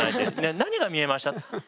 「何が見えました？」